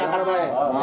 angkat dulu ya